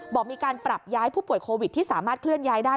บอกมีการปรับย้ายผู้ป่วยโควิดที่สามารถเคลื่อนย้ายได้